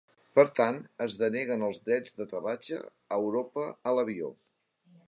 Per tant, es deneguen els drets d'aterratge a Europa a l'avió.